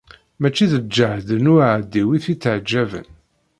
Mačči d lǧehd n uɛawdiw i t-itteɛǧaben.